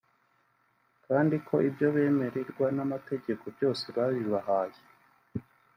kandi ko ibyo bemererwa n’amategeko byose babibahaye